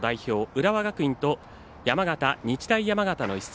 浦和学院と山形、日大山形の一戦。